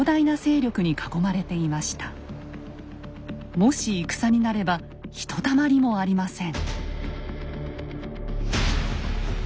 もし戦になればひとたまりもありません。